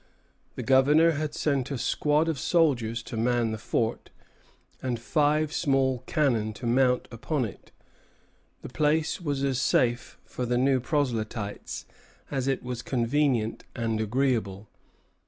The Governor had sent a squad of soldiers to man the fort, and five small cannon to mount upon it. The place was as safe for the new proselytes as it was convenient and agreeable.